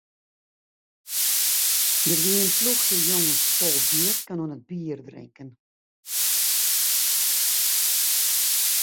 Der wie in ploechje jonges bolbjirken oan it bierdrinken.